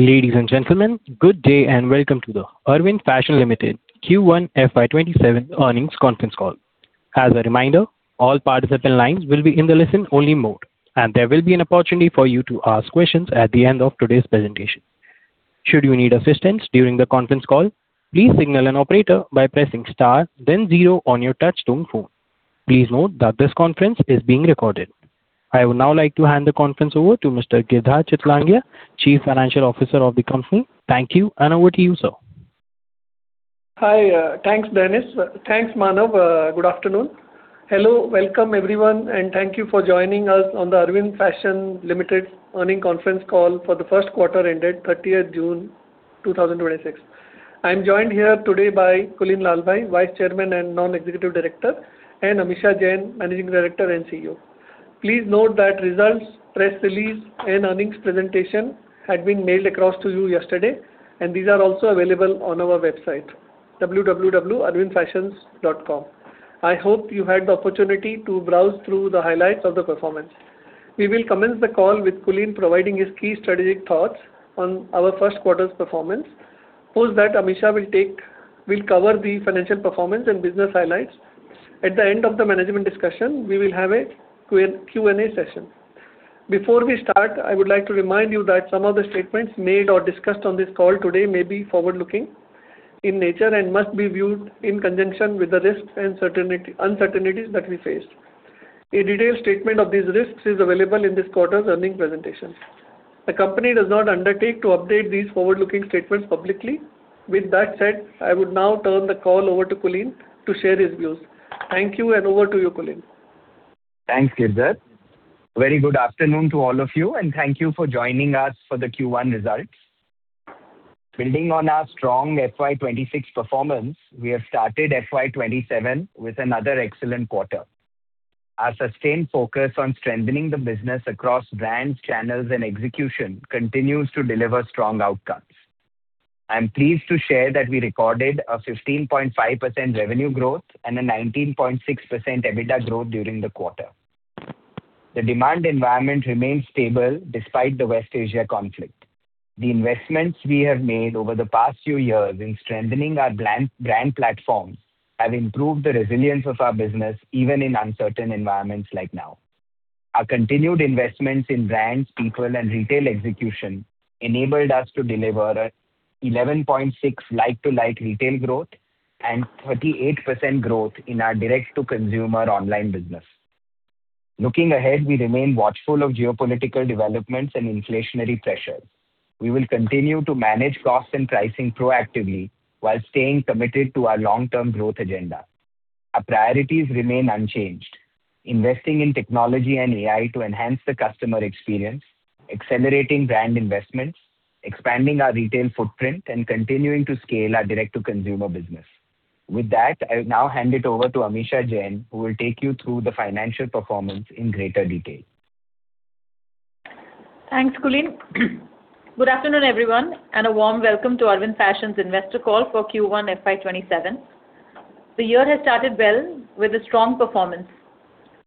Ladies and gentlemen, good day and welcome to the Arvind Fashions Limited Q1 FY 2027 earnings conference call. As a reminder, all participant lines will be in the listen only mode. There will be an opportunity for you to ask questions at the end of today's presentation. Should you need assistance during the conference call, please signal an operator by pressing star then zero on your touch-tone phone. Please note that this conference is being recorded. I would now like to hand the conference over to Mr. Girdhar Chitlangia, Chief Financial Officer of the company. Thank you, and over to you, sir. Hi. Thanks, Dennis. Thanks, Manav. Good afternoon. Hello, welcome everyone. Thank you for joining us on the Arvind Fashions Limited earnings conference call for the first quarter ended 30th June 2026. I'm joined here today by Kulin Lalbhai, Vice Chairman and Non-Executive Director, and Amisha Jain, Managing Director and CEO. Please note that results, press release, and earnings presentation had been mailed across to you yesterday. These are also available on our website, www.arvindfashions.com. I hope you had the opportunity to browse through the highlights of the performance. We will commence the call with Kulin providing his key strategic thoughts on our first quarter's performance. Post that, Amisha will cover the financial performance and business highlights. At the end of the management discussion, we will have a Q&A session. Before we start, I would like to remind you that some of the statements made or discussed on this call today may be forward-looking in nature and must be viewed in conjunction with the risks and uncertainties that we face. A detailed statement of these risks is available in this quarter's earnings presentation. The company does not undertake to update these forward-looking statements publicly. With that said, I would now turn the call over to Kulin to share his views. Thank you, and over to you, Kulin. Thanks, Girdhar. Very good afternoon to all of you. Thank you for joining us for the Q1 results. Building on our strong FY 2026 performance, we have started FY 2027 with another excellent quarter. Our sustained focus on strengthening the business across brands, channels, and execution continues to deliver strong outcomes. I'm pleased to share that we recorded a 15.5% revenue growth and a 19.6% EBITDA growth during the quarter. The demand environment remains stable despite the West Asia conflict. The investments we have made over the past few years in strengthening our brand platform have improved the resilience of our business, even in uncertain environments like now. Our continued investments in brands, people, and retail execution enabled us to deliver 11.6 like-to-like retail growth and 38% growth in our direct-to-consumer online business. Looking ahead, we remain watchful of geopolitical developments and inflationary pressures. We will continue to manage costs and pricing proactively while staying committed to our long-term growth agenda. Our priorities remain unchanged. Investing in technology and AI to enhance the customer experience, accelerating brand investments, expanding our retail footprint, and continuing to scale our direct-to-consumer business. With that, I'll now hand it over to Amisha Jain, who will take you through the financial performance in greater detail. Thanks, Kulin. Good afternoon, everyone, and a warm welcome to Arvind Fashions investor call for Q1 FY 2027. The year has started well with a strong performance.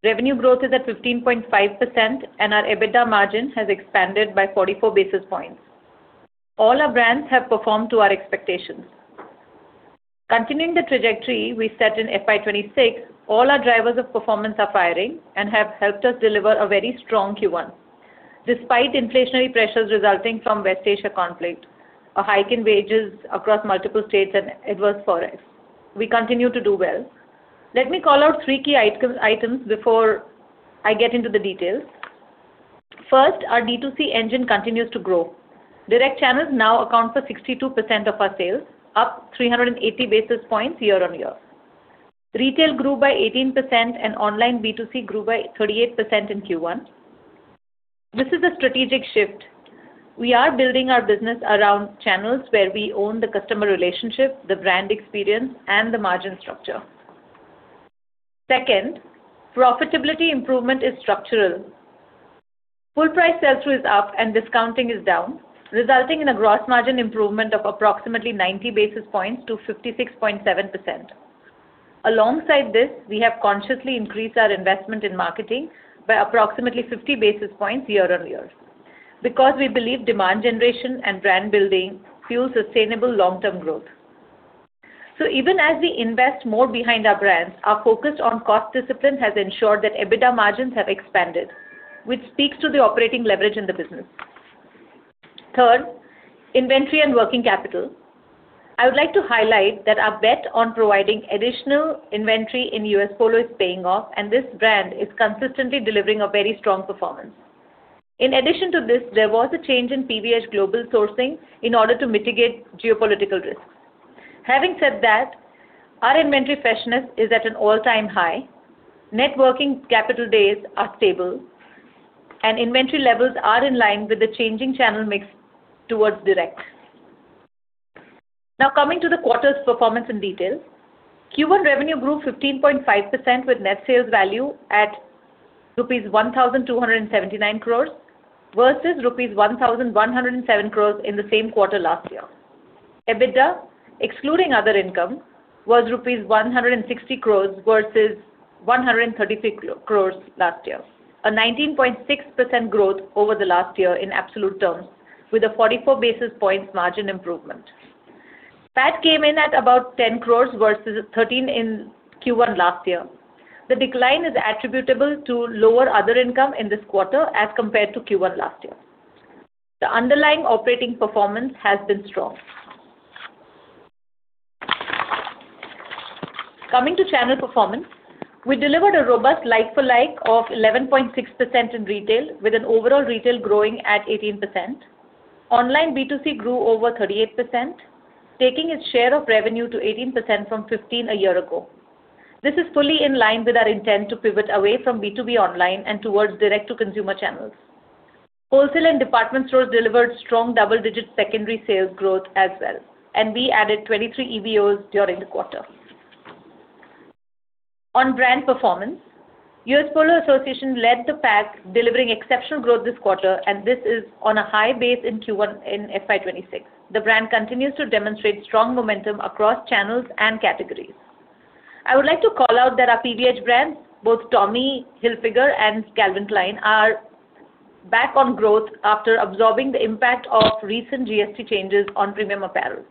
Revenue growth is at 15.5%, and our EBITDA margin has expanded by 44 basis points. All our brands have performed to our expectations. Continuing the trajectory we set in FY 2026, all our drivers of performance are firing and have helped us deliver a very strong Q1. Despite inflationary pressures resulting from West Asia conflict, a hike in wages across multiple states and adverse forex, we continue to do well. Let me call out three key items before I get into the details. First, our D2C engine continues to grow. Direct channels now account for 62% of our sales, up 380 basis points year-on-year. Retail grew by 18% and online B2C grew by 38% in Q1. This is a strategic shift. We are building our business around channels where we own the customer relationship, the brand experience and the margin structure. Second, profitability improvement is structural. Full price sell-through is up and discounting is down, resulting in a gross margin improvement of approximately 90 basis points to 56.7%. Alongside this, we have consciously increased our investment in marketing by approximately 50 basis points year-on-year. Because we believe demand generation and brand building fuel sustainable long-term growth. Even as we invest more behind our brands, our focus on cost discipline has ensured that EBITDA margins have expanded, which speaks to the operating leverage in the business. Third, inventory and working capital. I would like to highlight that our bet on providing additional inventory in U.S. Polo is paying off, and this brand is consistently delivering a very strong performance. In addition to this, there was a change in PVH global sourcing in order to mitigate geopolitical risks. Having said that, our inventory freshness is at an all-time high. Net working capital days are stable, and inventory levels are in line with the changing channel mix towards direct. Now coming to the quarter's performance in detail. Q1 revenue grew 15.5% with net sales value at rupees 1,279 crores versus rupees 1,107 crores in the same quarter last year. EBITDA, excluding other income, was rupees 160 crores versus 133 crores last year. A 19.6% growth over the last year in absolute terms, with a 44 basis points margin improvement. PAT came in at about 10 crores versus 13 crores in Q1 last year. The decline is attributable to lower other income in this quarter as compared to Q1 last year. The underlying operating performance has been strong. Coming to channel performance, we delivered a robust like-for-like of 11.6% in retail, with an overall retail growing at 18%. Online B2C grew over 38%, taking its share of revenue to 18% from 15% a year ago. This is fully in line with our intent to pivot away from B2B online and towards direct-to-consumer channels. Wholesale and department stores delivered strong double-digit secondary sales growth as well, and we added 23 EBOs during the quarter. On brand performance, U.S. Polo Association led the pack, delivering exceptional growth this quarter, and this is on a high base in Q1 in FY 2026. The brand continues to demonstrate strong momentum across channels and categories. I would like to call out that our PVH brands, both Tommy Hilfiger and Calvin Klein, are back on growth after absorbing the impact of recent GST changes on premium apparel.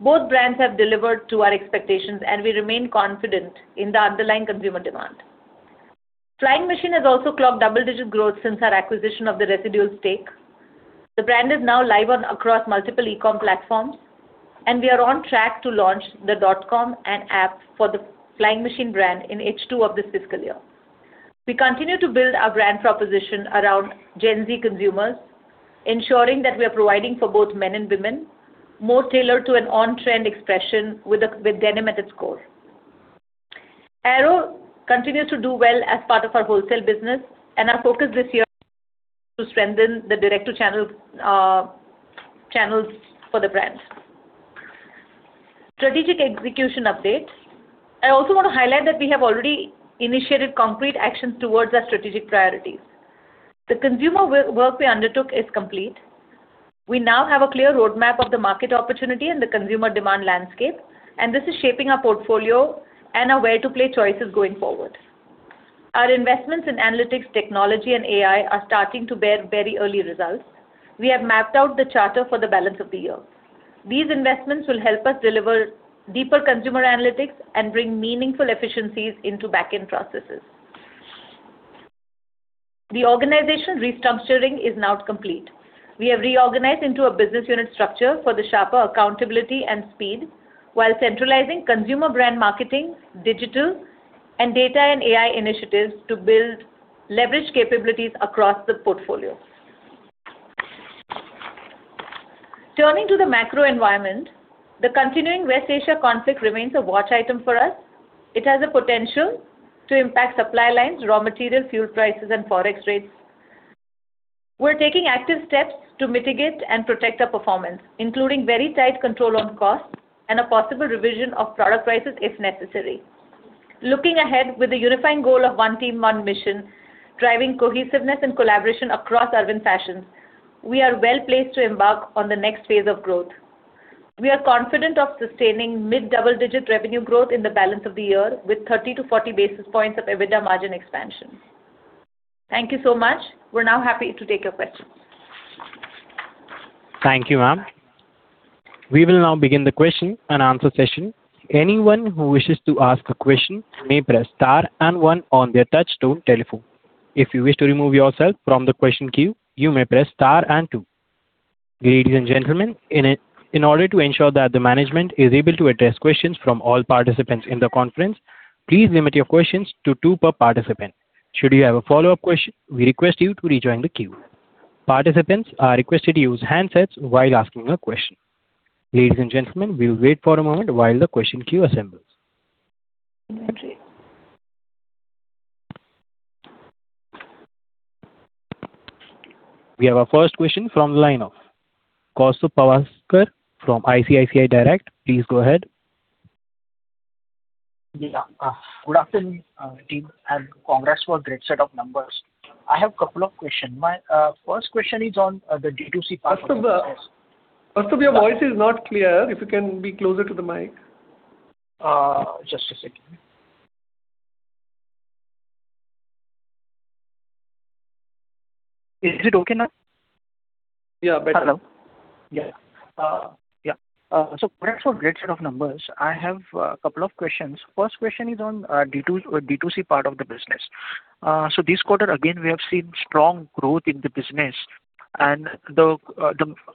Both brands have delivered to our expectations, and we remain confident in the underlying consumer demand. Flying Machine has also clocked double-digit growth since our acquisition of the residual stake. The brand is now live across multiple e-com platforms, and we are on track to launch the .com and app for the Flying Machine brand in H2 of this fiscal year. We continue to build our brand proposition around Gen Z consumers, ensuring that we are providing for both men and women, more tailored to an on-trend expression with denim at its core. Arrow continues to do well as part of our wholesale business, and our focus this year to strengthen the direct to channels for the brands. Strategic execution updates. I also want to highlight that we have already initiated concrete actions towards our strategic priorities. The consumer work we undertook is complete. We now have a clear roadmap of the market opportunity and the consumer demand landscape. This is shaping our portfolio and our where-to-play choices going forward. Our investments in analytics technology and AI are starting to bear very early results. We have mapped out the charter for the balance of the year. These investments will help us deliver deeper consumer analytics and bring meaningful efficiencies into back-end processes. The organization restructuring is now complete. We have reorganized into a business unit structure for the sharper accountability and speed, while centralizing consumer brand marketing, digital, and data and AI initiatives to build leverage capabilities across the portfolio. Turning to the macro environment, the continuing West Asia conflict remains a watch item for us. It has a potential to impact supply lines, raw material, fuel prices, and forex rates. We're taking active steps to mitigate and protect our performance, including very tight control on costs and a possible revision of product prices if necessary. Looking ahead with the unifying goal of one team, one mission, driving cohesiveness and collaboration across Arvind Fashions, we are well-placed to embark on the next phase of growth. We are confident of sustaining mid-double-digit revenue growth in the balance of the year, with 30-40 basis points of EBITDA margin expansion. Thank you so much. We're now happy to take your questions. Thank you, ma'am. We will now begin the question and answer session. Anyone who wishes to ask a question may press star and one on their touch-tone telephone. If you wish to remove yourself from the question queue, you may press star and two. Ladies and gentlemen, in order to ensure that the management is able to address questions from all participants in the conference, please limit your questions to two per participant. Should you have a follow-up question, we request you to rejoin the queue. Participants are requested to use handsets while asking a question. Ladies and gentlemen, we'll wait for a moment while the question queue assembles. We have our first question from the line of Kaustubh Pawaskar from ICICI Direct. Please go ahead. Yeah. Good afternoon, team, congrats for a great set of numbers. I have a couple of questions. My first question is on the D2C part- Kaustubh, your voice is not clear. If you can be closer to the mic. Just a second. Is it okay now? Yeah, better. Hello. Yeah. Congrats for a great set of numbers. I have a couple of questions. First question is on D2C part of the business. This quarter, again, we have seen strong growth in the business and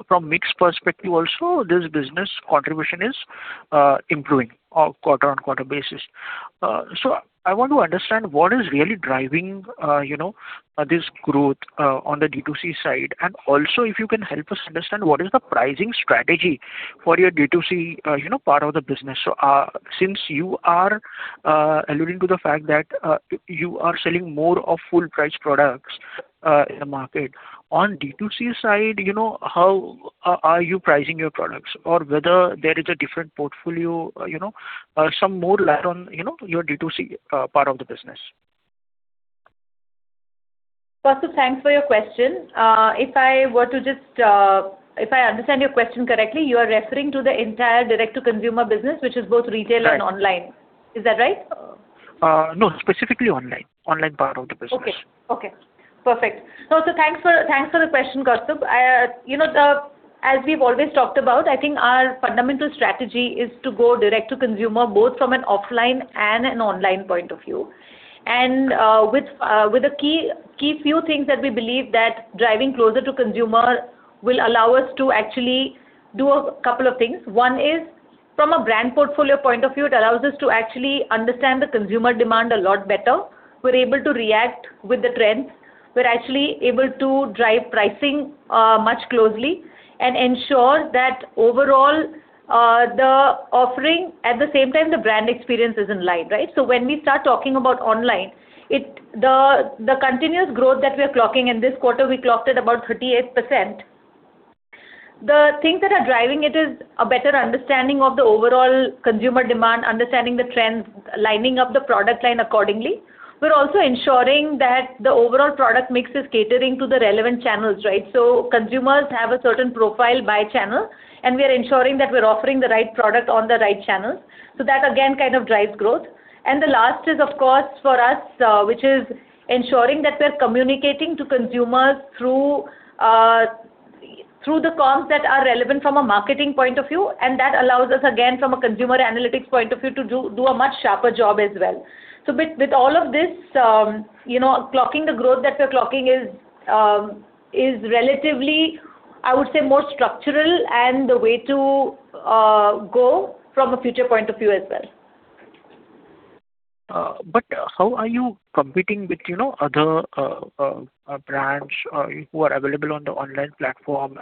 from mix perspective also, this business contribution is improving on quarter-on-quarter basis. I want to understand what is really driving this growth on the D2C side, and also if you can help us understand what is the pricing strategy for your D2C part of the business. Since you are alluding to the fact that you are selling more of full-price products in the market, on D2C side, how are you pricing your products? Or whether there is a different portfolio, some more light on your D2C part of the business. Kaustubh, thanks for your question. If I understand your question correctly, you are referring to the entire direct-to-consumer business, which is both retail and online. Is that right? No, specifically online. Online part of the business. Thanks for the question, Kaustubh. As we've always talked about, I think our fundamental strategy is to go direct to consumer, both from an offline and an online point of view. With a key few things that we believe that driving closer to consumer will allow us to actually do a couple of things. One is, from a brand portfolio point of view, it allows us to actually understand the consumer demand a lot better. We're able to react with the trends. We're actually able to drive pricing much closely and ensure that overall, the offering, at the same time, the brand experience is in line, right? When we start talking about online, the continuous growth that we are clocking, in this quarter, we clocked at about 38%, the things that are driving it is a better understanding of the overall consumer demand, understanding the trends, lining up the product line accordingly. We're also ensuring that the overall product mix is catering to the relevant channels, right? Consumers have a certain profile by channel, and we are ensuring that we're offering the right product on the right channels. That again, kind of drives growth. The last is, of course, for us, which is ensuring that we're communicating to consumers through the comms that are relevant from a marketing point of view, and that allows us, again, from a consumer analytics point of view, to do a much sharper job as well. With all of this, clocking the growth that we're clocking is relatively, I would say, more structural and the way to go from a future point of view as well. How are you competing with other brands who are available on the online platform?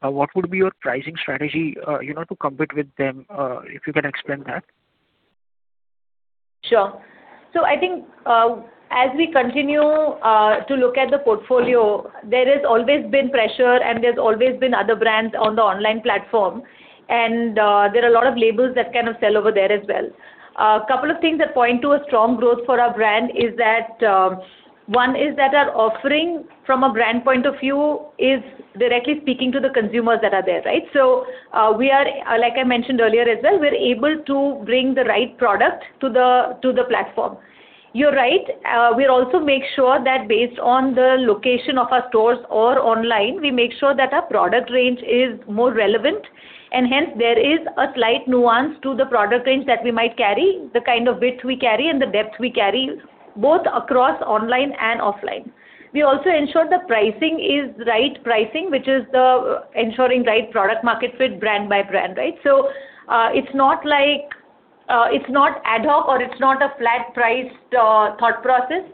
What would be your pricing strategy to compete with them? If you can explain that. I think as we continue to look at the portfolio, there has always been pressure and there's always been other brands on the online platform, and there are a lot of labels that kind of sell over there as well. A couple of things that point to a strong growth for our brand is that one is that our offering from a brand point of view is directly speaking to the consumers that are there, right? Like I mentioned earlier as well, we're able to bring the right product to the platform. You're right. We also make sure that based on the location of our stores or online, we make sure that our product range is more relevant and hence there is a slight nuance to the product range that we might carry, the kind of width we carry and the depth we carry, both across online and offline. We also ensure the pricing is right pricing, which is ensuring right product market fit brand by brand, right? It's not ad hoc, or it's not a flat-priced thought process.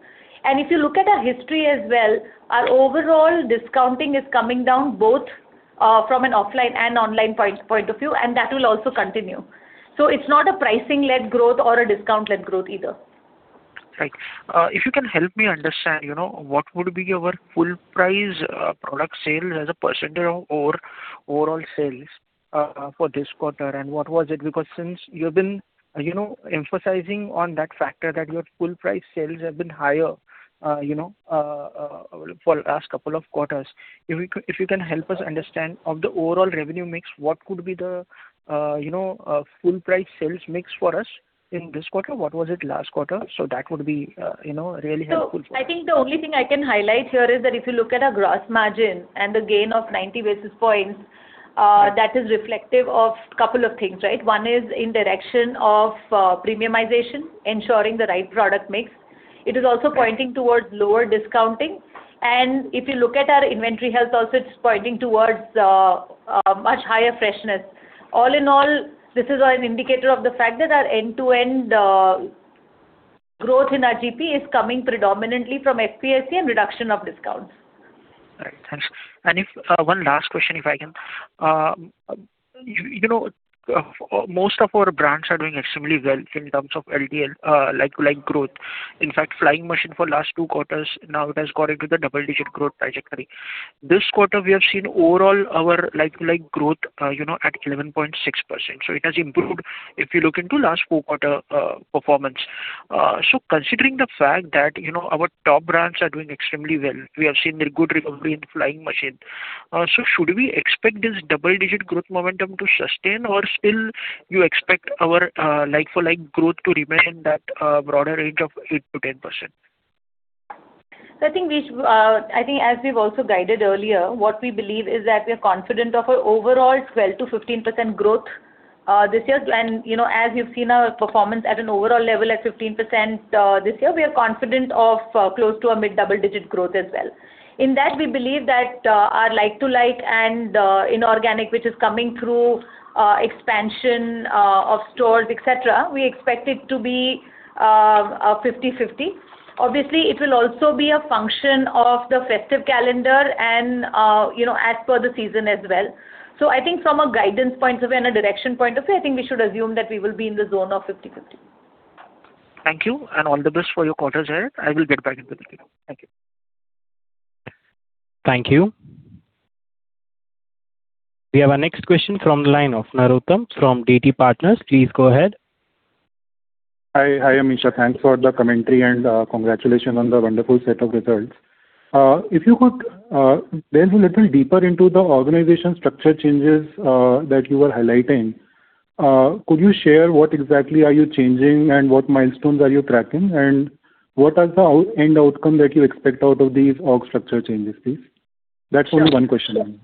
If you look at our history as well, our overall discounting is coming down both from an offline and online point of view, and that will also continue. It's not a pricing-led growth or a discount-led growth either. Right. If you can help me understand, what would be your full price product sales as a percentage of overall sales for this quarter. What was it? Because since you've been emphasizing on that factor that your full price sales have been higher for the last couple of quarters. If you can help us understand of the overall revenue mix, what could be the full price sales mix for us in this quarter? What was it last quarter? That would be really helpful for us. I think the only thing I can highlight here is that if you look at our gross margin and the gain of 90 basis points, that is reflective of a couple of things, right? One is in direction of premiumization, ensuring the right product mix. It is also pointing towards lower discounting. If you look at our inventory health, also it's pointing towards much higher freshness. All in all, this is an indicator of the fact that our end-to-end growth in our GP is coming predominantly from FPS and reduction of discounts. Right. Thanks. One last question, if I can. Most of our brands are doing extremely well in terms of like-to-like growth. In fact, Flying Machine for last two quarters now it has got into the double-digit growth trajectory. This quarter, we have seen overall our like-to-like growth at 11.6%. It has improved if you look into last four quarter performance. Considering the fact that our top brands are doing extremely well, we have seen a good recovery in Flying Machine. Should we expect this double-digit growth momentum to sustain, or still you expect our like-for-like growth to remain in that broader range of 8%-10%? I think as we've also guided earlier, what we believe is that we are confident of our overall 12%-15% growth this year. As you've seen our performance at an overall level at 15% this year, we are confident of close to a mid double-digit growth as well. In that, we believe that our like-to-like and inorganic, which is coming through expansion of stores, et cetera, we expect it to be 50/50. Obviously, it will also be a function of the festive calendar and as per the season as well. I think from a guidance point of view and a direction point of view, I think we should assume that we will be in the zone of 50/50. Thank you. All the best for your quarter share. I will get back in touch with you. Thank you. Thank you. We have our next question from the line of Narottam from DT Partners. Please go ahead. Hi, Amisha. Thanks for the commentary and congratulations on the wonderful set of results. If you could delve a little deeper into the organization structure changes that you were highlighting, could you share what exactly are you changing and what milestones are you tracking? What are the end outcomes that you expect out of these org structure changes, please? That's only one question.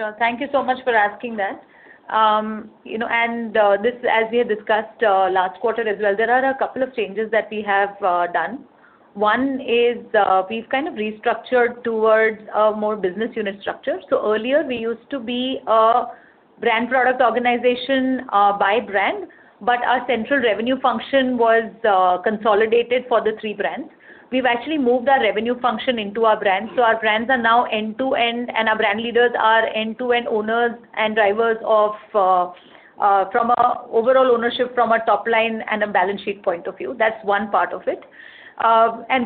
Sure. Thank you so much for asking that. As we had discussed last quarter as well, there are a couple of changes that we have done. One is we've kind of restructured towards a more business unit structure. Earlier we used to be a brand product organization by brand, but our central revenue function was consolidated for the three brands. We've actually moved our revenue function into our brands. Our brands are now end-to-end, and our brand leaders are end-to-end owners and drivers from an overall ownership, from a top-line and a balance sheet point of view. That's one part of it.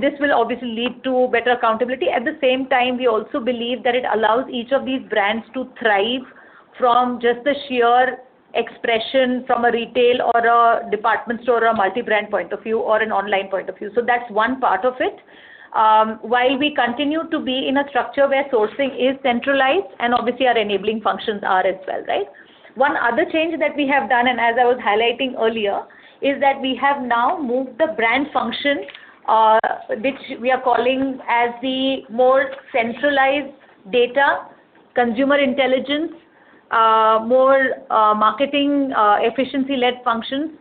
This will obviously lead to better accountability. At the same time, we also believe that it allows each of these brands to thrive from just the sheer expression from a retail or a department store or a multi-brand point of view or an online point of view. That's one part of it. While we continue to be in a structure where sourcing is centralized and obviously our enabling functions are as well. One other change that we have done, and as I was highlighting earlier, is that we have now moved the brand function, which we are calling as the more centralized data, consumer intelligence, more marketing efficiency-led functions,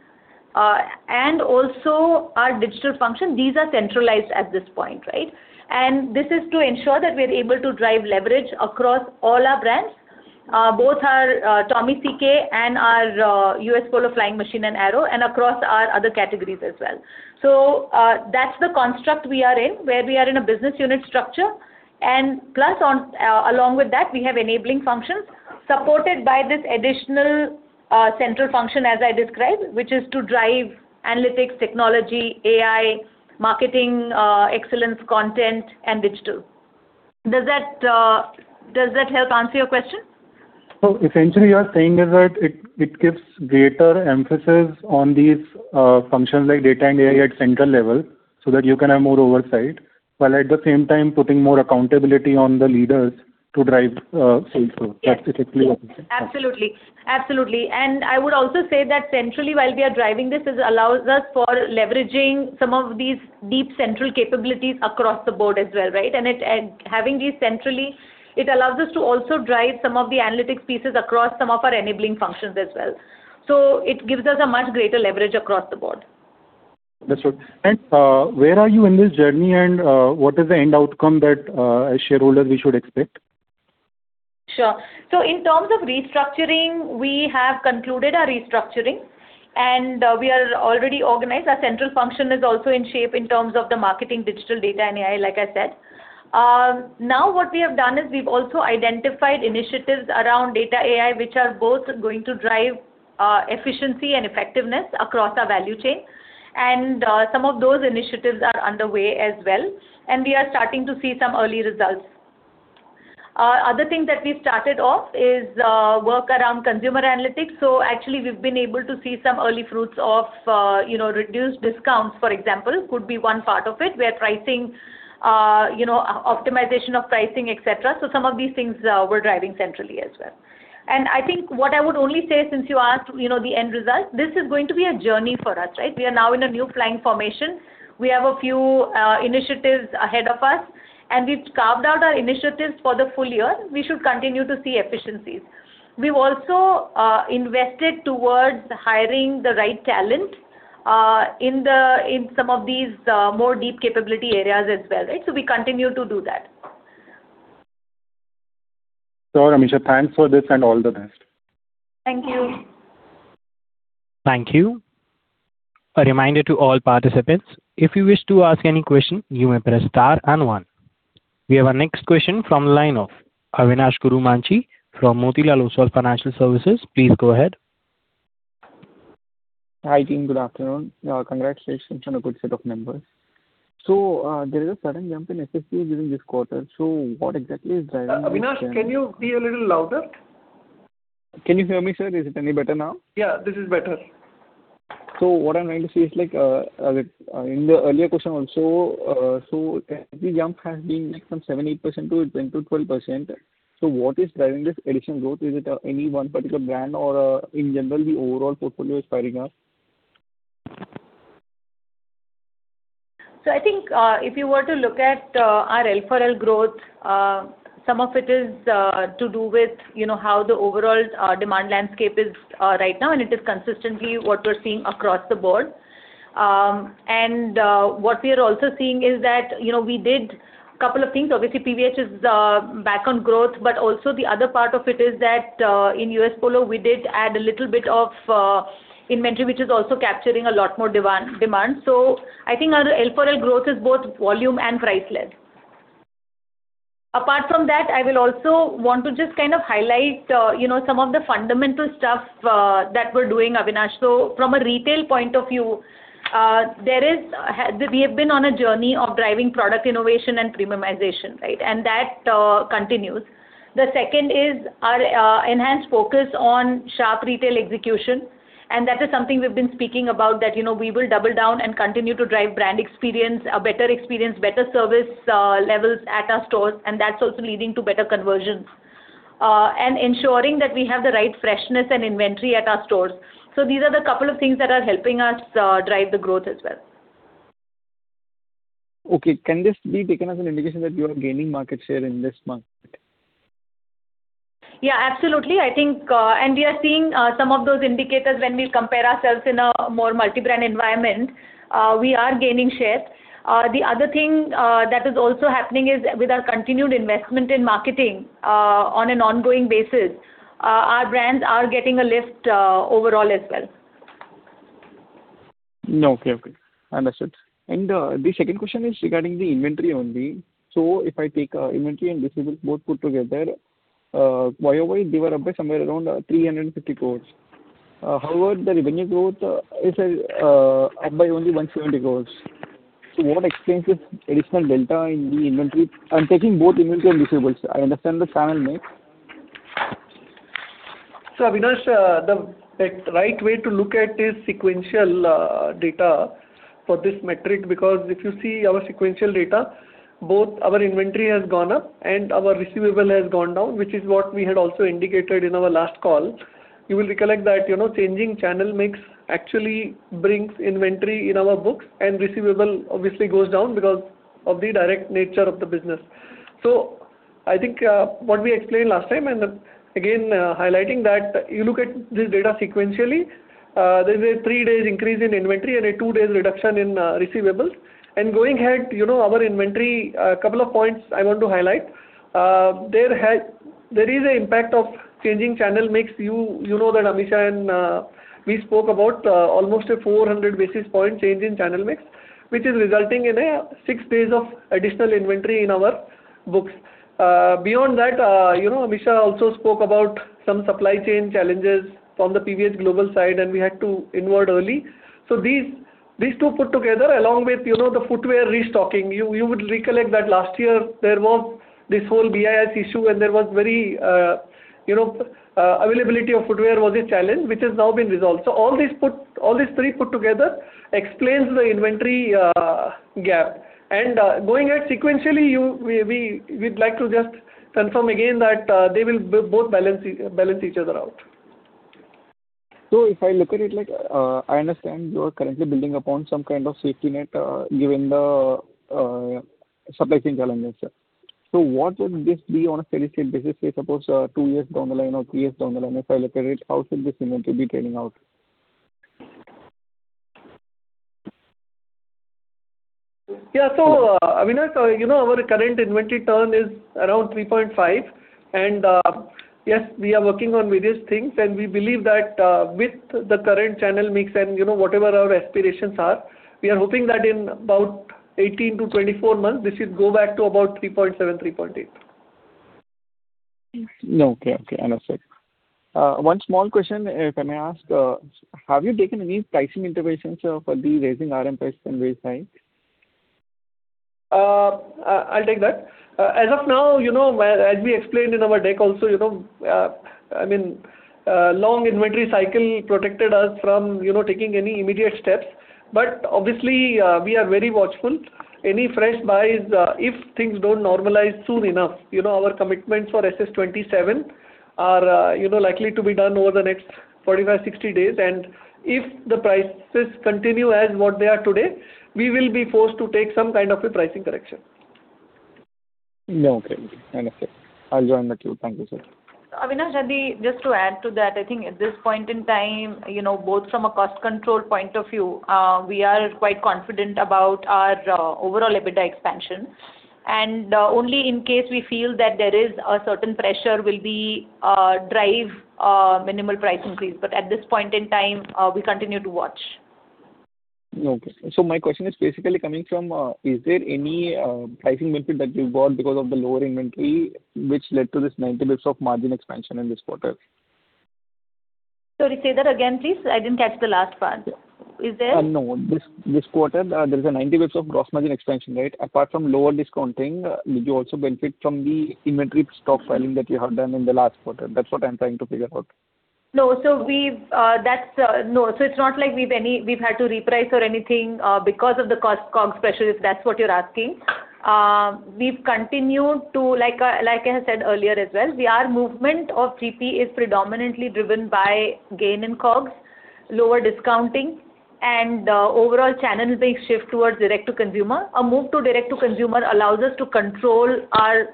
and also our digital function. These are centralized at this point. This is to ensure that we're able to drive leverage across all our brands, both our Tommy CK and our U.S. Polo Flying Machine, and Arrow, and across our other categories as well. That's the construct we are in, where we are in a business unit structure. Plus, along with that, we have enabling functions supported by this additional central function as I described, which is to drive analytics, technology, AI, marketing excellence content, and digital. Does that help answer your question? Essentially what you're saying is that it gives greater emphasis on these functions like data and AI at central level so that you can have more oversight, while at the same time putting more accountability on the leaders to drive sales growth. That's exactly what- Yes. Absolutely. I would also say that centrally while we are driving this, it allows us for leveraging some of these deep central capabilities across the board as well. Having these centrally, it allows us to also drive some of the analytics pieces across some of our enabling functions as well. It gives us a much greater leverage across the board. That's right. Where are you in this journey and what is the end outcome that as shareholders we should expect? In terms of restructuring, we have concluded our restructuring and we are already organized. Our central function is also in shape in terms of the marketing, digital data, and AI, like I said. What we have done is we've also identified initiatives around data AI, which are both going to drive efficiency and effectiveness across our value chain. Some of those initiatives are underway as well, and we are starting to see some early results. The other thing that we started off is work around consumer analytics. Actually, we've been able to see some early fruits of reduced discounts, for example, could be one part of it, where optimization of pricing, et cetera. Some of these things we're driving centrally as well. I think what I would only say since you asked the end result, this is going to be a journey for us. We are now in a new flying formation. We have a few initiatives ahead of us, and we've carved out our initiatives for the full year. We should continue to see efficiencies. We've also invested towards hiring the right talent in some of these more deep capability areas as well. We continue to do that. Sure, Amisha. Thanks for this and all the best. Thank you. Thank you. A reminder to all participants, if you wish to ask any question, you may press star and one. We have our next question from the line of Avinash Gurumanchi from Motilal Oswal Financial Services. Please go ahead. Hi, team. Good afternoon. Congratulations on a good set of numbers. There is a sudden jump in SSG during this quarter. What exactly is driving- Avinash, can you be a little louder? Can you hear me, sir? Is it any better now? Yeah, this is better. What I'm trying to say is, in the earlier question also, SSP jump has been some 7%, 8% to 10%-12%. What is driving this addition growth? Is it any one particular brand or in general, the overall portfolio is firing up? I think if you were to look at our L4L growth, some of it is to do with how the overall demand landscape is right now, and it is consistently what we're seeing across the board. What we are also seeing is that we did a couple of things. Obviously PVH is back on growth, but also the other part of it is that in U.S. Polo we did add a little bit of inventory, which is also capturing a lot more demand. I think our L4L growth is both volume and price-led. Apart from that, I will also want to just kind of highlight some of the fundamental stuff that we're doing, Avinash. From a retail point of view. We have been on a journey of driving product innovation and premiumization, and that continues. The second is our enhanced focus on sharp retail execution, and that is something we've been speaking about, that we will double down and continue to drive brand experience, a better experience, better service levels at our stores, and that's also leading to better conversions. Ensuring that we have the right freshness and inventory at our stores. These are the couple of things that are helping us drive the growth as well. Okay. Can this be taken as an indication that you are gaining market share in this market? Yeah, absolutely. We are seeing some of those indicators when we compare ourselves in a more multi-brand environment. We are gaining share. The other thing that is also happening is with our continued investment in marketing on an ongoing basis, our brands are getting a lift overall as well. Okay. Understood. The second question is regarding the inventory only. If I take inventory and receivables both put together, YOY, they were up by somewhere around 350 crores. However, the revenue growth is up by only 170 crores. What explains this additional delta in the inventory? I'm taking both inventory and receivables. I understand the channel mix. Avinash, the right way to look at is sequential data for this metric, because if you see our sequential data, both our inventory has gone up and our receivable has gone down, which is what we had also indicated in our last call. You will recollect that changing channel mix actually brings inventory in our books, and receivable obviously goes down because of the direct nature of the business. I think, what we explained last time, and again, highlighting that you look at this data sequentially, there is a three days increase in inventory and a two days reduction in receivables. Going ahead, our inventory, a couple of points I want to highlight. There is an impact of changing channel mix. You know that Amisha and we spoke about almost a 400 basis point change in channel mix, which is resulting in six days of additional inventory in our books. Beyond that, Amisha also spoke about some supply chain challenges from the PVH global side, and we had to inward early. These two put together along with the footwear restocking. You would recollect that last year there was this whole BIS issue and availability of footwear was a challenge, which has now been resolved. All these three put together explains the inventory gap. Going at sequentially, we'd like to just confirm again that they will both balance each other out. If I look at it, I understand you are currently building upon some kind of safety net given the supply chain challenges. What will this be on a steady state basis, say suppose two years down the line or three years down the line, if I look at it, how should this inventory be trending out? Yeah. Avinash, our current inventory turn is around 3.5, yes, we are working on various things, we believe that with the current channel mix and whatever our aspirations are, we are hoping that in about 18 to 24 months, this should go back to about 3.7, 3.8. Okay. Understood. One small question, if I may ask, have you taken any pricing interventions for the raising RM price from vendor side? I'll take that. As of now, as we explained in our deck also, long inventory cycle protected us from taking any immediate steps. Obviously, we are very watchful. Any fresh buys, if things don't normalize soon enough, our commitments for SS27 are likely to be done over the next 45, 60 days, and if the prices continue as what they are today, we will be forced to take some kind of a pricing correction. Okay. Understood. I'll join the queue. Thank you, sir. Avinash, just to add to that, I think at this point in time, both from a cost control point of view, we are quite confident about our overall EBITDA expansion. Only in case we feel that there is a certain pressure will we drive minimal price increase. At this point in time, we continue to watch. Okay. My question is basically coming from, is there any pricing benefit that you got because of the lower inventory which led to this 90 basis points of margin expansion in this quarter? Sorry, say that again, please. I didn't catch the last part. Is there? This quarter, there is a 90 basis points of gross margin expansion. Apart from lower discounting, did you also benefit from the inventory stock filing that you had done in the last quarter? That's what I'm trying to figure out. It's not like we've had to reprice or anything because of the COGS pressure, if that's what you're asking. We've continued to, like I said earlier as well, our movement of GP is predominantly driven by gain in COGS, lower discounting, and overall channel mix shift towards direct to consumer. A move to direct to consumer allows us to control our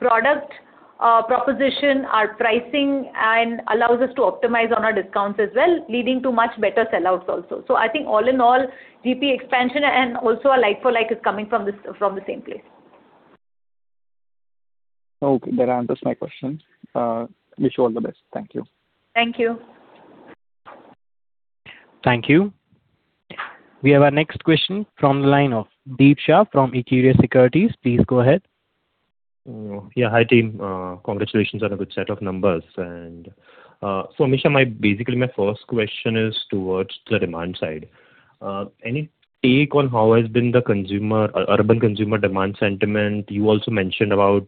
product proposition, our pricing, and allows us to optimize on our discounts as well, leading to much better sell-outs also. I think all in all, GP expansion and also a like-for-like is coming from the same place. That answers my question. Wish you all the best. Thank you. Thank you. Thank you. We have our next question from the line of Deep Shah from Equirus Securities. Please go ahead. Yeah. Hi, team. Congratulations on a good set of numbers. Amisha, basically, my first question is towards the demand side. Any take on how has been the urban consumer demand sentiment? You also mentioned about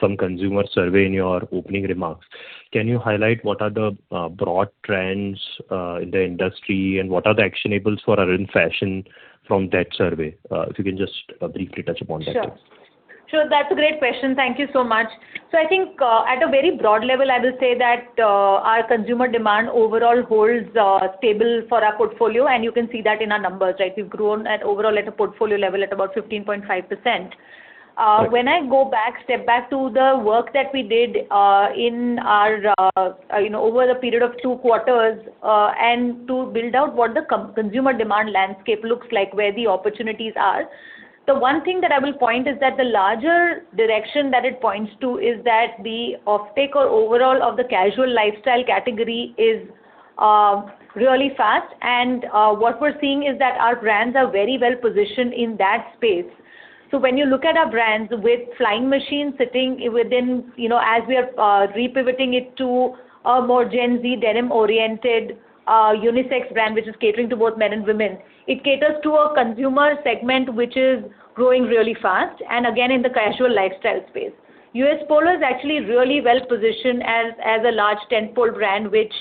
some consumer survey in your opening remarks. Can you highlight what are the broad trends in the industry, and what are the actionables for Arvind Fashions from that survey? If you can just briefly touch upon that. Sure. That's a great question. Thank you so much. I think at a very broad level, I will say that our consumer demand overall holds stable for our portfolio, and you can see that in our numbers, right? We've grown at overall at a portfolio level at about 15.5%. When I go back, step back to the work that we did over the period of two quarters and to build out what the consumer demand landscape looks like, where the opportunities are. The one thing that I will point is that the larger direction that it points to is that the off-take or overall of the casual lifestyle category is really fast. What we're seeing is that our brands are very well-positioned in that space. When you look at our brands with Flying Machine sitting within as we are re-pivoting it to a more Gen Z denim-oriented unisex brand, which is catering to both men and women. It caters to a consumer segment which is growing really fast, and again, in the casual lifestyle space. U.S. Polo is actually really well-positioned as a large tentpole brand, which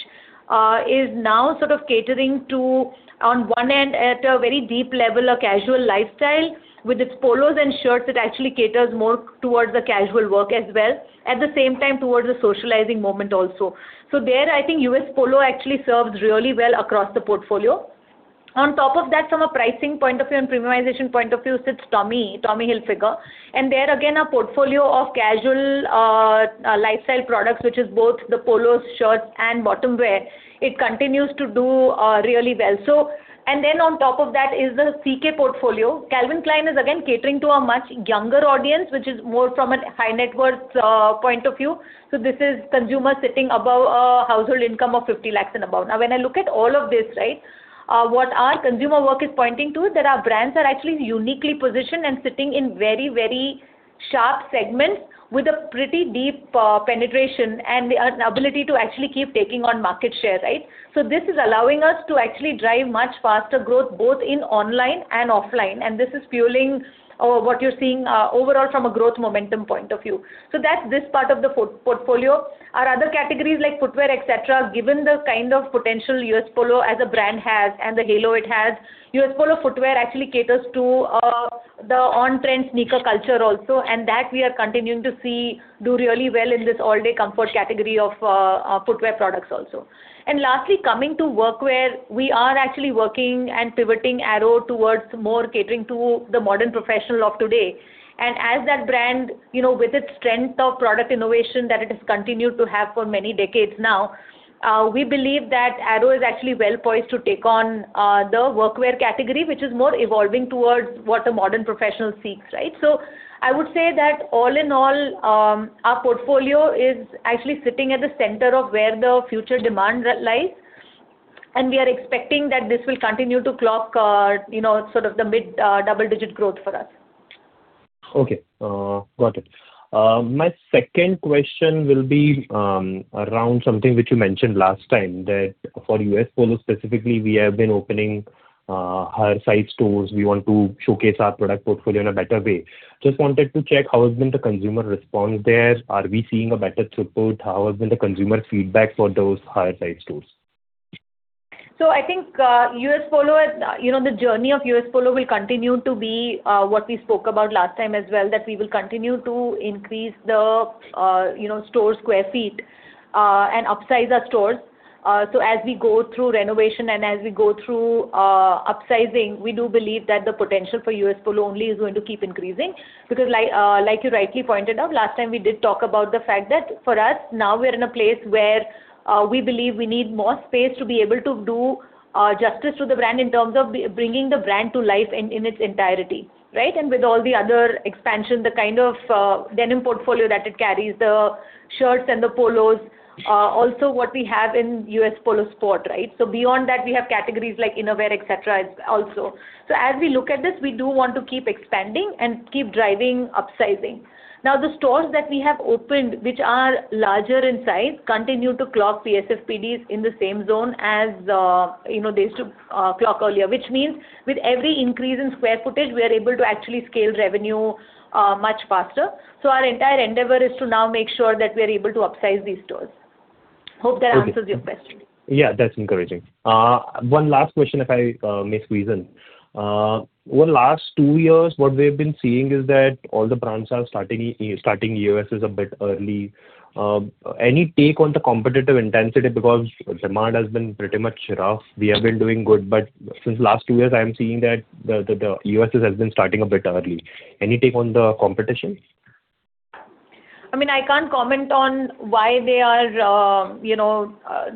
is now sort of catering to, on one end, at a very deep level, a casual lifestyle. With its polos and shirts, it actually caters more towards the casual work as well, at the same time, towards the socializing moment also. There, I think U.S. Polo actually serves really well across the portfolio. On top of that, from a pricing point of view and premiumization point of view, sits Tommy Hilfiger. There again, a portfolio of casual lifestyle products, which is both the polos, shirts, and bottom wear. It continues to do really well. On top of that is the CK portfolio. Calvin Klein is again catering to a much younger audience, which is more from a high net worth point of view. This is consumer sitting above a household income of 50 lakhs and above. When I look at all of this, what our consumer work is pointing to, that our brands are actually uniquely positioned and sitting in very sharp segments with a pretty deep penetration and an ability to actually keep taking on market share. This is allowing us to actually drive much faster growth, both in online and offline. This is fueling what you're seeing overall from a growth momentum point of view. That's this part of the portfolio. Our other categories like footwear, et cetera, given the kind of potential U.S. Polo as a brand has and the halo it has. U.S. Polo footwear actually caters to the on-trend sneaker culture also, and that we are continuing to see do really well in this all-day comfort category of footwear products also. Lastly, coming to work wear, we are actually working and pivoting Arrow towards more catering to the modern professional of today. As that brand with its strength of product innovation that it has continued to have for many decades now, we believe that Arrow is actually well-poised to take on the work wear category, which is more evolving towards what a modern professional seeks. I would say that all in all, our portfolio is actually sitting at the center of where the future demand lies, and we are expecting that this will continue to clock sort of the mid double-digit growth for us. Okay. Got it. My second question will be around something which you mentioned last time that for U.S. Polo specifically, we have been opening higher-site stores. We want to showcase our product portfolio in a better way. Wanted to check, how has been the consumer response there. Are we seeing a better throughput? How has been the consumer feedback for those higher-site stores? I think the journey of U.S. Polo will continue to be what we spoke about last time as well, that we will continue to increase the store square feet, and upsize our stores. As we go through renovation and as we go through upsizing, we do believe that the potential for U.S. Polo only is going to keep increasing. Like you rightly pointed out, last time we did talk about the fact that for us now we are in a place where we believe we need more space to be able to do justice to the brand in terms of bringing the brand to life in its entirety. With all the other expansion, the kind of denim portfolio that it carries, the shirts and the polos, also what we have in U.S. Polo sport. Beyond that, we have categories like innerwear, et cetera, also. As we look at this, we do want to keep expanding and keep driving upsizing. Now, the stores that we have opened, which are larger in size, continue to clock PSFPDs in the same zone as they used to clock earlier, which means with every increase in square footage, we are able to actually scale revenue much faster. Our entire endeavor is to now make sure that we are able to upsize these stores. Hope that answers your question. Yeah, that's encouraging. One last question, if I may squeeze in. Over the last two years, what we've been seeing is that all the brands are starting EOSS a bit early. Any take on the competitive intensity because demand has been pretty much rough. We have been doing good, but since last two years, I am seeing that the EOSS has been starting a bit early. Any take on the competition? I can't comment on why they are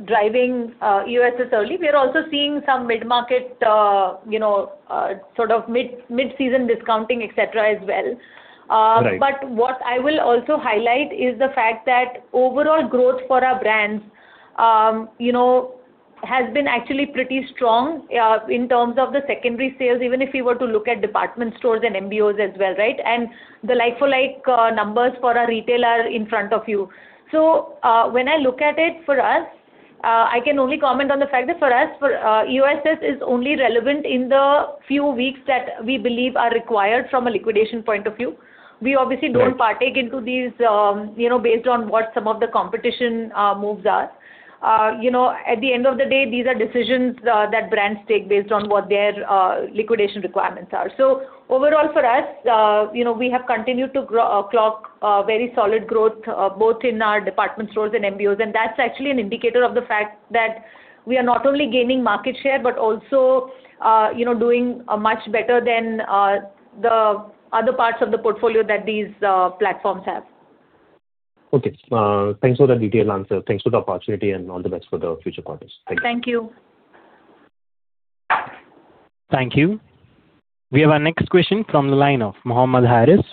driving EOSS early. We are also seeing some mid-market sort of mid-season discounting, et cetera, as well. Right. What I will also highlight is the fact that overall growth for our brands has been actually pretty strong in terms of the secondary sales, even if we were to look at department stores and MBOs as well, right? The like-for-like numbers for our retail are in front of you. When I look at it for us, I can only comment on the fact that for us, EOSS is only relevant in the few weeks that we believe are required from a liquidation point of view. We obviously don't partake into these based on what some of the competition moves are. At the end of the day, these are decisions that brands take based on what their liquidation requirements are. Overall for us, we have continued to clock very solid growth both in our department stores and MBOs, that's actually an indicator of the fact that we are not only gaining market share, but also doing much better than the other parts of the portfolio that these platforms have. Okay. Thanks for the detailed answer. Thanks for the opportunity, all the best for the future quarters. Thank you. Thank you. We have our next question from the line of Mohammed Harris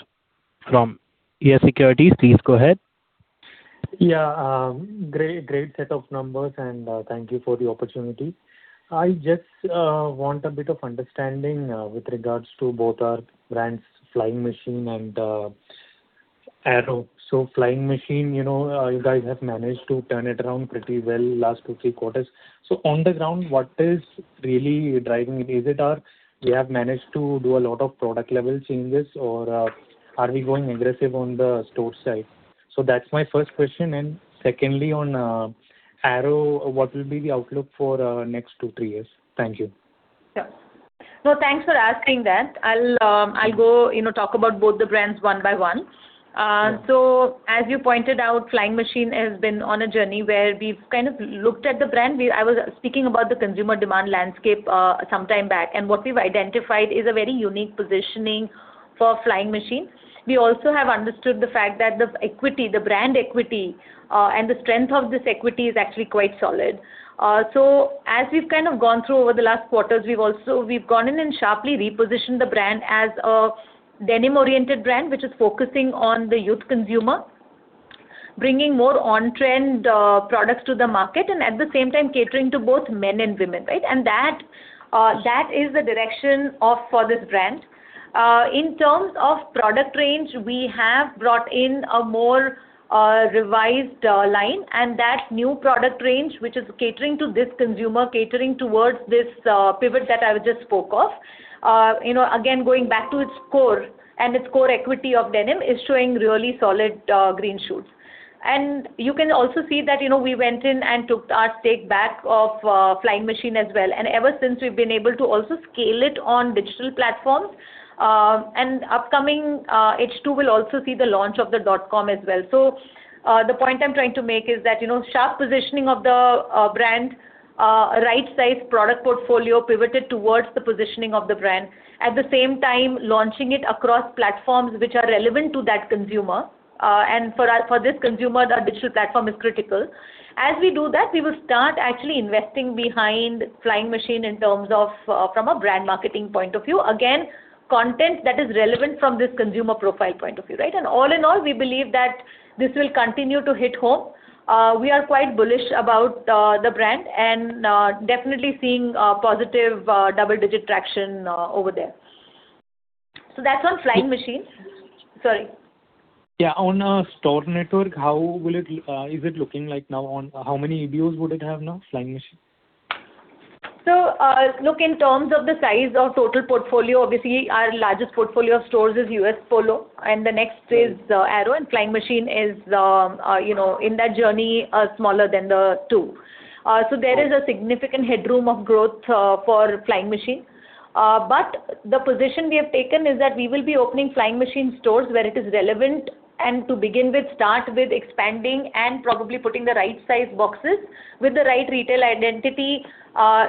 from EA Securities. Please go ahead. Great set of numbers and thank you for the opportunity. I just want a bit of understanding with regards to both our brands, Flying Machine and Arrow. Flying Machine, you guys have managed to turn it around pretty well last two, three quarters. On the ground, what is really driving it? Is it you have managed to do a lot of product level changes, or are we going aggressive on the store side? That's my first question. Secondly, on Arrow, what will be the outlook for next two, three years? Thank you. Sure. Thanks for asking that. I'll go talk about both the brands one by one. Sure. As you pointed out, Flying Machine has been on a journey where we've kind of looked at the brand. I was speaking about the consumer demand landscape sometime back, what we've identified is a very unique positioning for Flying Machine. We also have understood the fact that the brand equity and the strength of this equity is actually quite solid. As we've kind of gone through over the last quarters, we've gone in and sharply repositioned the brand as a denim-oriented brand, which is focusing on the youth consumer, bringing more on-trend products to the market, at the same time catering to both men and women, right? That is the direction for this brand. In terms of product range, we have brought in a more revised line that new product range, which is catering to this consumer, catering towards this pivot that I just spoke of. Again, going back to its core and its core equity of denim is showing really solid green shoots. You can also see that we went in and took our stake back of Flying Machine as well. Ever since, we've been able to also scale it on digital platforms. Upcoming H2 will also see the launch of the dot com as well. The point I'm trying to make is that sharp positioning of the brand, right-sized product portfolio pivoted towards the positioning of the brand. At the same time, launching it across platforms which are relevant to that consumer. For this consumer, the digital platform is critical. As we do that, we will start actually investing behind Flying Machine from a brand marketing point of view. Again, content that is relevant from this consumer profile point of view, right? All in all, we believe that this will continue to hit home. We are quite bullish about the brand and definitely seeing a positive double-digit traction over there. That's on Flying Machine. Sorry. Yeah. On store network, how is it looking like now? How many MBOs would it have now, Flying Machine? Look, in terms of the size of total portfolio, obviously our largest portfolio of stores is U.S. Polo, the next is Arrow, and Flying Machine is in that journey smaller than the two. There is a significant headroom of growth for Flying Machine. The position we have taken is that we will be opening Flying Machine stores where it is relevant and to begin with, start with expanding and probably putting the right size boxes with the right retail identity,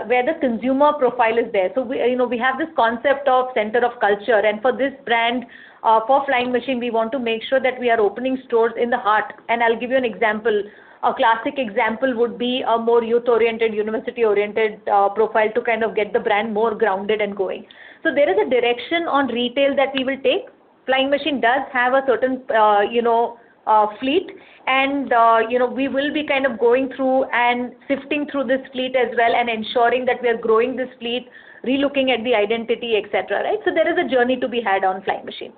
where the consumer profile is there. We have this concept of center of culture. For this brand, for Flying Machine, we want to make sure that we are opening stores in the heart. I'll give you an example. A classic example would be a more youth-oriented, university-oriented profile to kind of get the brand more grounded and going. There is a direction on retail that we will take. Flying Machine does have a certain fleet, we will be kind of going through and sifting through this fleet as well and ensuring that we are growing this fleet, relooking at the identity, et cetera, right? There is a journey to be had on Flying Machine.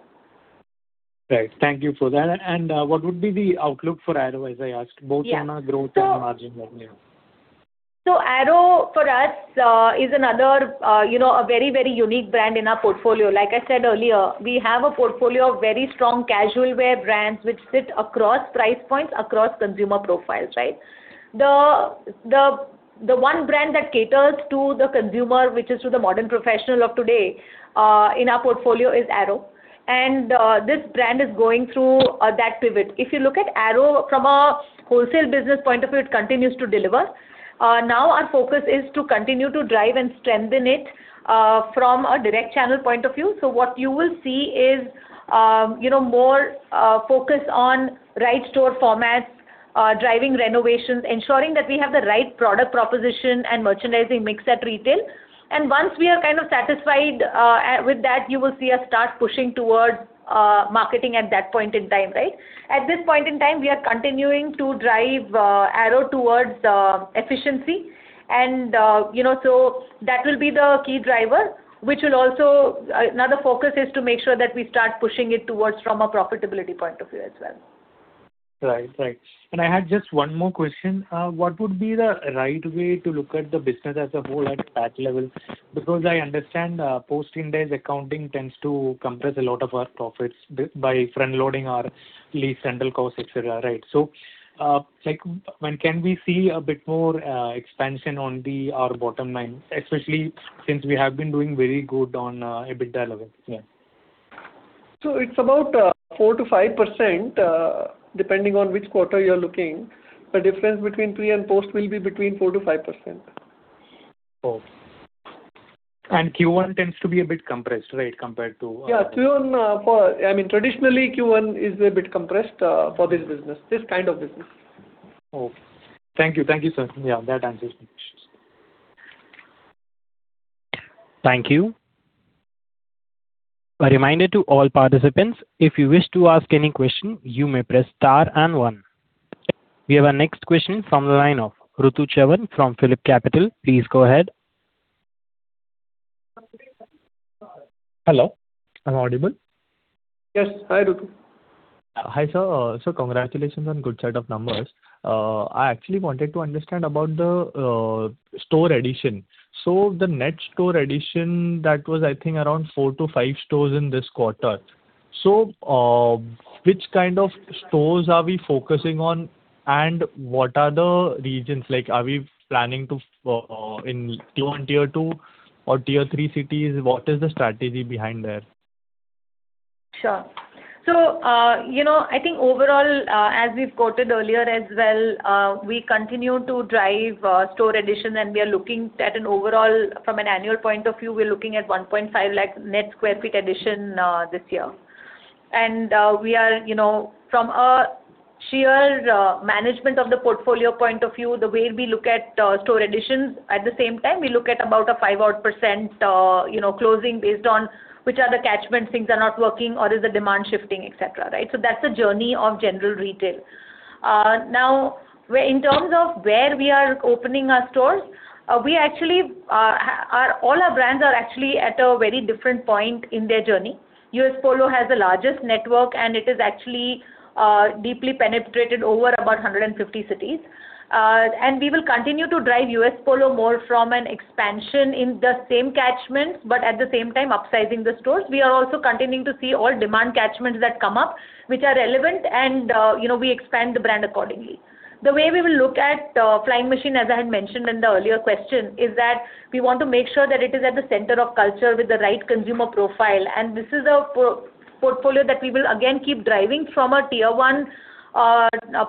Right. Thank you for that. What would be the outlook for Arrow, as I asked, both on growth and margin revenue? Arrow for us is another very unique brand in our portfolio. Like I said earlier, we have a portfolio of very strong casual wear brands which sit across price points, across consumer profiles, right? The one brand that caters to the consumer, which is to the modern professional of today in our portfolio is Arrow. This brand is going through that pivot. If you look at Arrow from a wholesale business point of view, it continues to deliver. Now our focus is to continue to drive and strengthen it from a direct channel point of view. What you will see is more focus on right store formats, driving renovations, ensuring that we have the right product proposition and merchandising mix at retail. Once we are kind of satisfied with that, you will see us start pushing towards marketing at that point in time, right? At this point in time, we are continuing to drive Arrow towards efficiency. That will be the key driver. Another focus is to make sure that we start pushing it towards from a profitability point of view as well. Right. I had just one more question. What would be the right way to look at the business as a whole at PAT level? Because I understand post-index accounting tends to compress a lot of our profits by front-loading our lease, central costs, et cetera. When can we see a bit more expansion on our bottom line, especially since we have been doing very good on EBITDA level? Yeah. It's about 4%-5%, depending on which quarter you're looking. The difference between pre and post will be between 4%-5%. Okay. Q1 tends to be a bit compressed, right? Yeah. Traditionally Q1 is a bit compressed for this kind of business. Okay. Thank you, sir. Yeah, that answers my questions. Thank you. A reminder to all participants, if you wish to ask any question, you may press star and one. We have our next question from the line of Rutu Chavan from PhillipCapital. Please go ahead. Hello, am I audible? Yes. Hi, Rutu. Hi, sir. Congratulations on good set of numbers. I actually wanted to understand about the store addition. The net store addition, that was, I think, around four to five stores in this quarter. Which kind of stores are we focusing on, and what are the regions? Are we planning to in tier one, tier two, or tier three cities? What is the strategy behind there? Sure. I think overall, as we've quoted earlier as well, we continue to drive store additions, and we are looking at an overall, from an annual point of view, we're looking at 1.5 lakh net square feet addition this year. From a sheer management of the portfolio point of view, the way we look at store additions, at the same time, we look at about a five-odd percent closing based on which are the catchments things are not working, or is the demand shifting, et cetera. That's the journey of general retail. In terms of where we are opening our stores, all our brands are actually at a very different point in their journey. U.S. Polo has the largest network, and it is actually deeply penetrated over about 150 cities. We will continue to drive U.S. Polo more from an expansion in the same catchments, but at the same time upsizing the stores. We are also continuing to see all demand catchments that come up, which are relevant, and we expand the brand accordingly. The way we will look at Flying Machine, as I had mentioned in the earlier question, is that we want to make sure that it is at the center of culture with the right consumer profile, and this is a portfolio that we will again keep driving from a tier one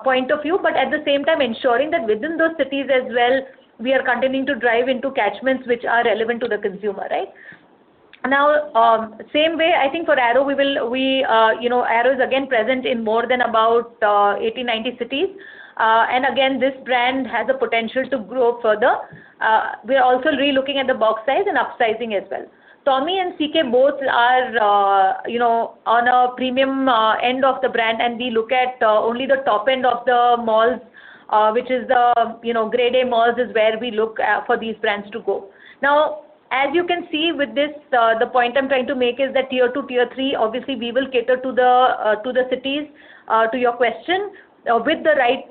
point of view. At the same time ensuring that within those cities as well, we are continuing to drive into catchments which are relevant to the consumer. Same way, I think for Arrow is again present in more than about 80, 90 cities. Again, this brand has a potential to grow further. We are also relooking at the box size and upsizing as well. Tommy and CK both are on a premium end of the brand, and we look at only the top end of the malls, which is the grade A malls is where we look for these brands to go. As you can see with this, the point I am trying to make is that tier two, tier three, obviously we will cater to the cities, to your question, with the right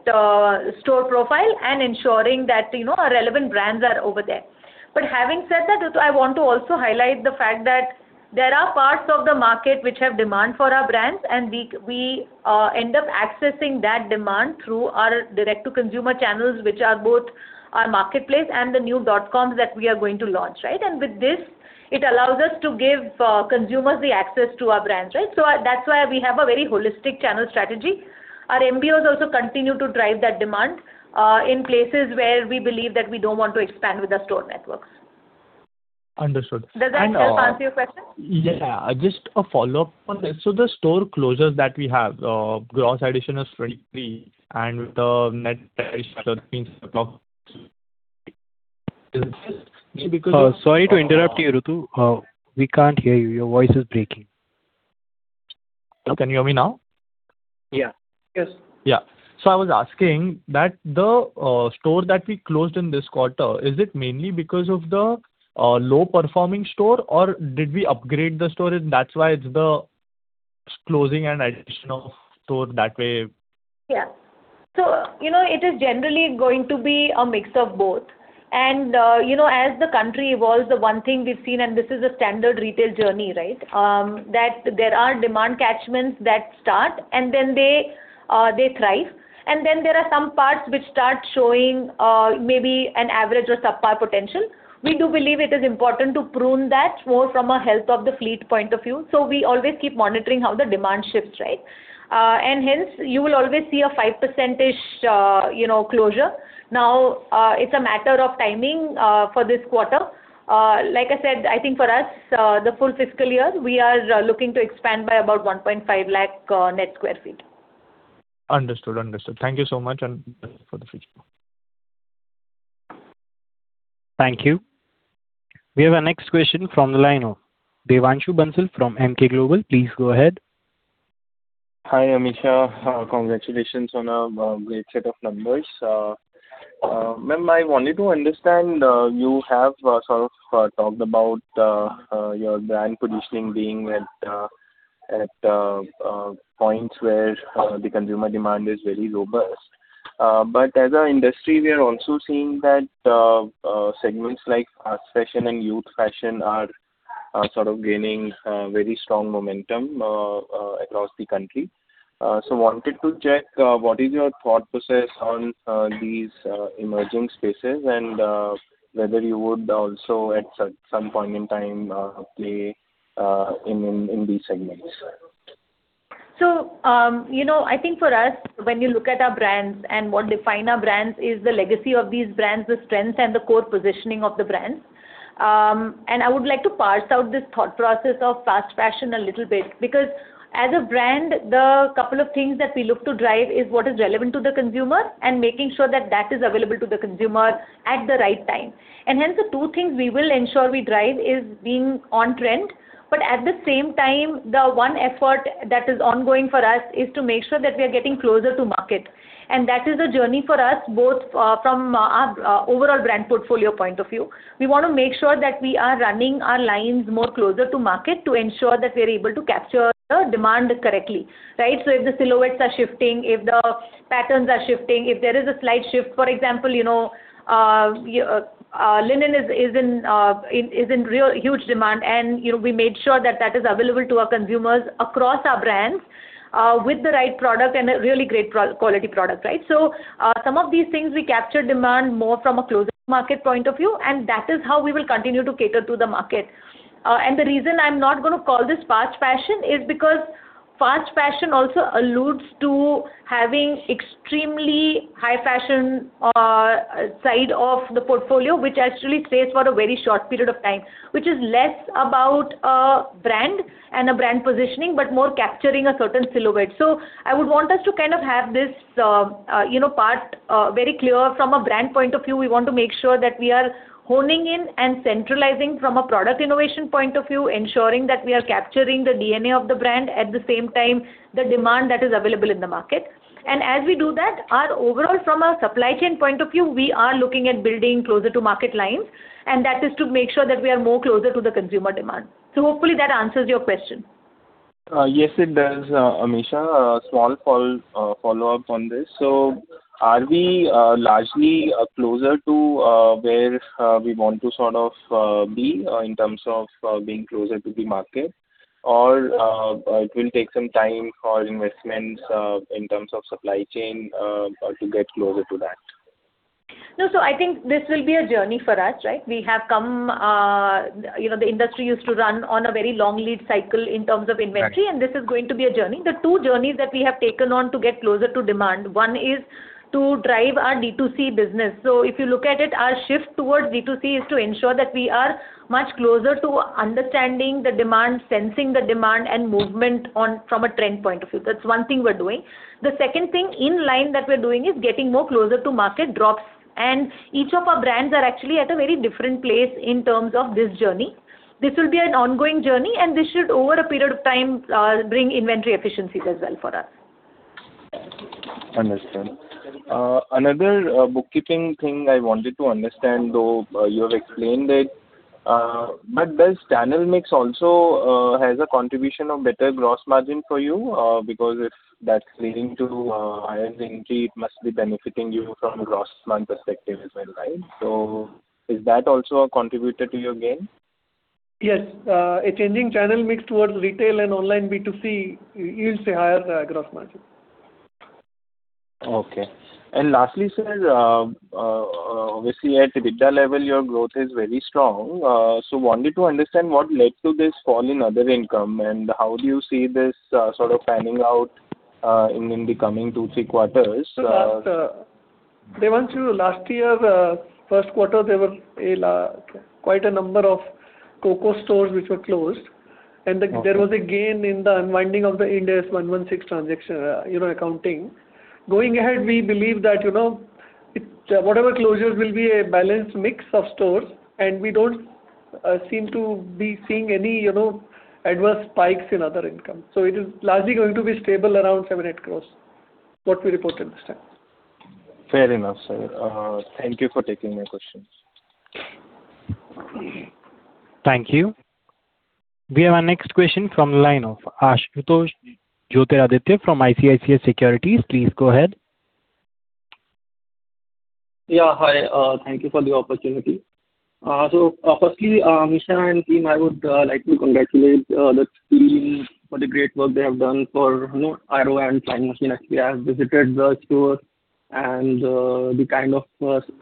store profile and ensuring that our relevant brands are over there. Having said that, Rutu, I want to also highlight the fact that there are parts of the market which have demand for our brands, and we end up accessing that demand through our direct-to-consumer channels, which are both our marketplace and the new dot-coms that we are going to launch. With this, it allows us to give consumers the access to our brands. That's why we have a very holistic channel strategy. Our MBOs also continue to drive that demand, in places where we believe that we don't want to expand with the store networks. Understood. Does that help answer your question? Yeah. Just a follow-up on this. The store closures that we have, gross addition is 23, and the net Sorry to interrupt you, Rutu. We can't hear you. Your voice is breaking. Can you hear me now? Yeah. Yes. Yeah. I was asking that the store that we closed in this quarter, is it mainly because of the low-performing store, or did we upgrade the store and that's why it's the closing and addition of store that way? Yeah. It is generally going to be a mix of both. As the country evolves, the one thing we've seen, and this is a standard retail journey. That there are demand catchments that start, then they thrive. Then there are some parts which start showing maybe an average or subpar potential. We do believe it is important to prune that more from a health of the fleet point of view. We always keep monitoring how the demand shifts. Hence, you will always see a 5% closure. Now, it's a matter of timing for this quarter. Like I said, I think for us, the full fiscal year, we are looking to expand by about 1.5 lakh net square feet. Understood. Thank you so much and good luck for the future. Thank you. We have our next question from the line of Devanshu Bansal from Emkay Global. Please go ahead. Hi, Amisha. Congratulations on a great set of numbers. Ma'am, I wanted to understand, you have sort of talked about your brand positioning being at points where the consumer demand is very robust. As an industry, we are also seeing that segments like fast fashion and youth fashion are sort of gaining very strong momentum across the country. Wanted to check what is your thought process on these emerging spaces and whether you would also, at some point in time, play in these segments. I think for us, when you look at our brands and what define our brands is the legacy of these brands, the strengths and the core positioning of the brands. I would like to parse out this thought process of fast fashion a little bit, because as a brand, the couple of things that we look to drive is what is relevant to the consumer and making sure that is available to the consumer at the right time. Hence, the two things we will ensure we drive is being on trend. At the same time, the one effort that is ongoing for us is to make sure that we are getting closer to market. That is a journey for us both from our overall brand portfolio point of view. We want to make sure that we are running our lines more closer to market to ensure that we are able to capture the demand correctly. If the silhouettes are shifting, if the patterns are shifting, if there is a slight shift, for example, linen is in huge demand, we made sure that that is available to our consumers across our brands with the right product and a really great quality product. Some of these things, we capture demand more from a closer market point of view, and that is how we will continue to cater to the market. The reason I am not going to call this fast fashion is because fast fashion also alludes to having extremely high fashion side of the portfolio, which actually stays for a very short period of time. Which is less about a brand and a brand positioning, but more capturing a certain silhouette. I would want us to kind of have this part very clear. From a brand point of view, we want to make sure that we are honing in and centralizing from a product innovation point of view, ensuring that we are capturing the DNA of the brand, at the same time, the demand that is available in the market. As we do that, our overall from a supply chain point of view, we are looking at building closer to market lines, and that is to make sure that we are more closer to the consumer demand. Hopefully that answers your question. Yes, it does, Amisha. A small follow-up on this. Are we largely closer to where we want to sort of be in terms of being closer to the market? Or it will take some time for investments in terms of supply chain to get closer to that? No, I think this will be a journey for us. The industry used to run on a very long lead cycle in terms of inventory. Right. This is going to be a journey. The two journeys that we have taken on to get closer to demand, one is to drive our D2C business. If you look at it, our shift towards D2C is to ensure that we are much closer to understanding the demand, sensing the demand, and movement from a trend point of view. That is one thing we are doing. The second thing in line that we are doing is getting more closer to market drops. Each of our brands are actually at a very different place in terms of this journey. This will be an ongoing journey, and this should, over a period of time, bring inventory efficiencies as well for us. Understand. Another bookkeeping thing I wanted to understand, though you have explained it. Does channel mix also has a contribution of better gross margin for you? Because if that is leading to higher inventory, it must be benefiting you from a gross margin perspective as well, right? Is that also a contributor to your gain? Yes. A changing channel mix towards retail and online B2C yields a higher gross margin. Okay. Lastly, sir, obviously at EBITDA level, your growth is very strong. Wanted to understand what led to this fall in other income, and how do you see this sort of panning out in the coming two, three quarters. Devanshu, last year's first quarter, there were quite a number of COCO stores which were closed. Okay. There was a gain in the unwinding of the Ind AS 116 transaction accounting. Going ahead, we believe that whatever closures will be a balanced mix of stores, and we don't seem to be seeing any adverse spikes in other income. It is largely going to be stable around 7 crores, 8 crores, what we report in this time. Fair enough, sir. Thank you for taking my questions. Thank you. We have our next question from the line of Ashutosh Joytiraditya from ICICI Securities. Please go ahead. Hi. Thank you for the opportunity. Firstly, Amisha and team, I would like to congratulate the team for the great work they have done for Arrow and Flying Machine. I have visited the store, and the kind of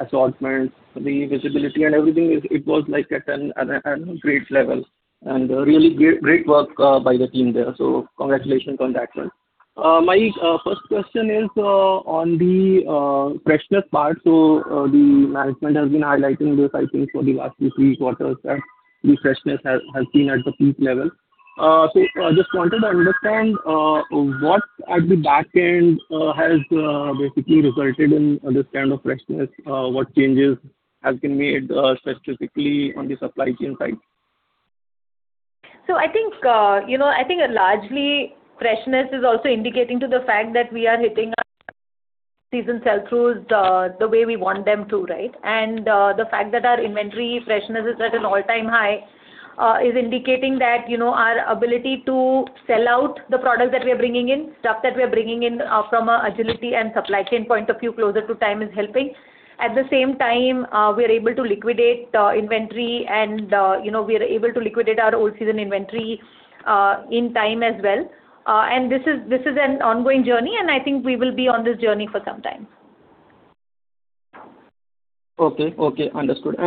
assortment, the visibility, and everything, it was like at a great level, and really great work by the team there. Congratulations on that front. My first question is on the freshness part. The management has been highlighting this, I think, for the last three quarters that the freshness has been at the peak level. Just wanted to understand what at the back end has basically resulted in this kind of freshness. What changes have been made specifically on the supply chain side? I think largely freshness is also indicating to the fact that we are hitting our season sell-throughs the way we want them to, right. The fact that our inventory freshness is at an all-time high is indicating that our ability to sell out the product that we are bringing in, stuff that we are bringing in from agility and supply chain point of view closer to time is helping. At the same time, we are able to liquidate inventory and we are able to liquidate our old season inventory in time as well. This is an ongoing journey, and I think we will be on this journey for some time. Understood.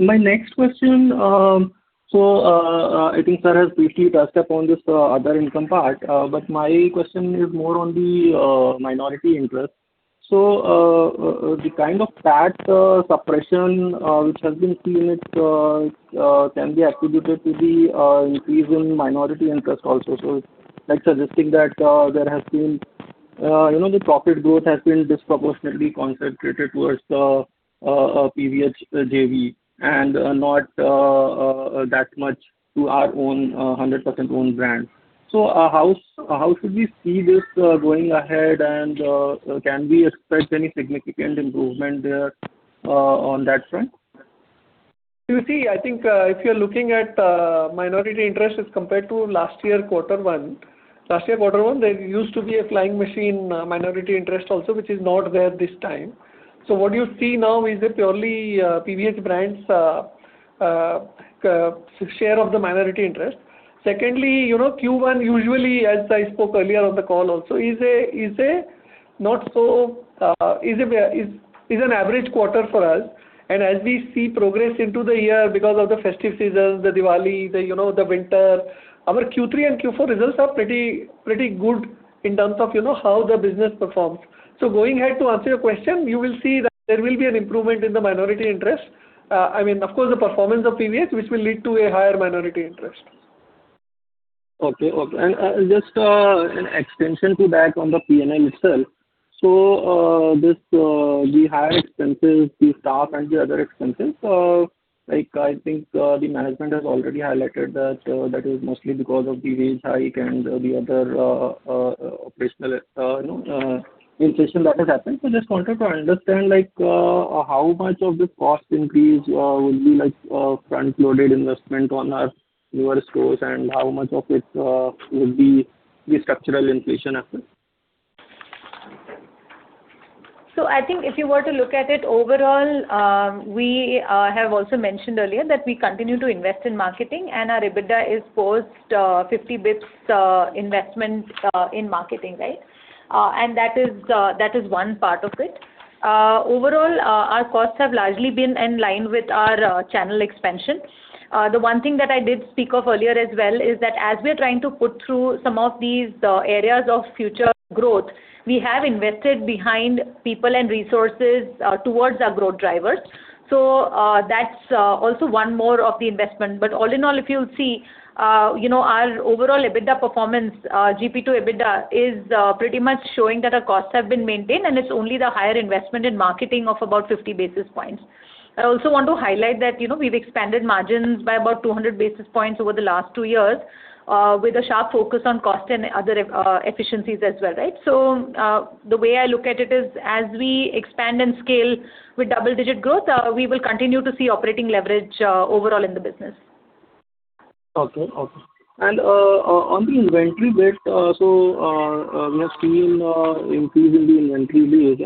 My next question. I think sir has briefly touched upon this other income part. My question is more on the minority interest. The kind of PAT suppression which has been seen can be attributed to the increase in minority interest also. It's like suggesting that the profit growth has been disproportionately concentrated towards the PVH JV and not that much to our own 100% owned brand. How should we see this going ahead and can we expect any significant improvement there on that front? I think if you're looking at minority interest as compared to last year quarter one, there used to be a Flying Machine minority interest also, which is not there this time. What you see now is a purely PVH Brands share of the minority interest. Secondly, Q1 usually as I spoke earlier on the call also is an average quarter for us, and as we see progress into the year, because of the festive season, the Diwali, the winter, our Q3 and Q4 results are pretty good in terms of how the business performs. Going ahead to answer your question, you will see that there will be an improvement in the minority interest. Of course, the performance of PVH, which will lead to a higher minority interest. Just an extension to that on the P&L itself. The higher expenses, the staff and the other expenses, I think the management has already highlighted that is mostly because of the wage hike and the other operational inflation that has happened. Just wanted to understand how much of this cost increase will be front-loaded investment on our newer stores and how much of it will be the structural inflation aspect. I think if you were to look at it overall, we have also mentioned earlier that we continue to invest in marketing and our EBITDA is post 50 basis points investment in marketing, right? That is one part of it. Overall, our costs have largely been in line with our channel expansion. The one thing that I did speak of earlier as well is that as we're trying to put through some of these areas of future growth, we have invested behind people and resources towards our growth drivers. That's also one more of the investment. All in all, if you'll see our overall EBITDA performance, GP to EBITDA is pretty much showing that our costs have been maintained and it's only the higher investment in marketing of about 50 basis points. I also want to highlight that we've expanded margins by about 200 basis points over the last two years with a sharp focus on cost and other efficiencies as well, right? The way I look at it is as we expand and scale with double-digit growth, we will continue to see operating leverage overall in the business. Okay. On the inventory bit, we have seen increase in the inventory days.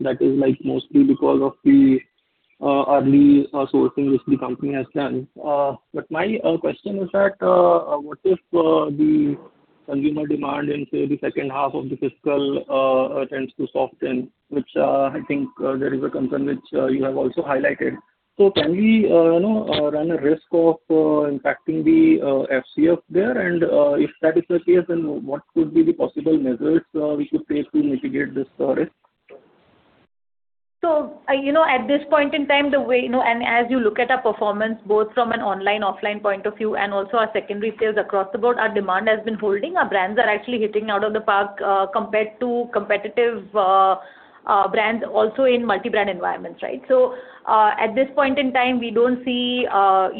That is mostly because of the early sourcing which the company has done. My question is that what if the consumer demand in, say, the second half of the fiscal tends to soften, which I think there is a concern which you have also highlighted. Can we run a risk of impacting the FCF there? If that is the case, then what could be the possible measures we could take to mitigate this risk? At this point in time and as you look at our performance both from an online, offline point of view and also our secondary sales across the board, our demand has been holding. Our brands are actually hitting out of the park compared to competitive brands also in multi-brand environments. At this point in time, we don't see a